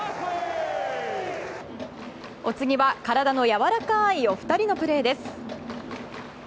お次は体のやわらかいお二人のプレーです。